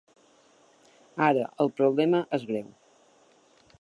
Ara el problema és greu.